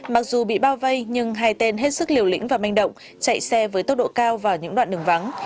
mặc dù bị bao vây nhưng hai tên hết sức liều lĩnh và manh động chạy xe với tốc độ cao vào những đoạn đường vắng